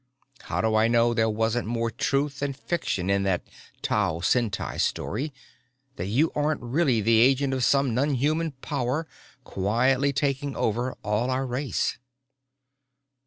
How do I know there wasn't more truth than fiction in that Tau Ceti story, that you aren't really the agent of some non human power quietly taking over all our race?"